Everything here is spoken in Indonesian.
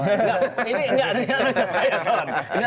ini enggak ini enggak